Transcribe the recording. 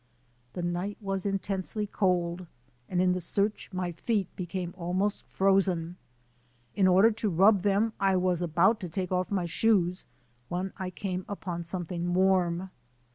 The night was intensely cold and in the search my feet became almost frozen. In order to rub them I was about to take off my shoes when I came upon something warm.